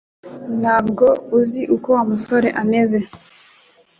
Ntabwo uzi uko Wa musore ameze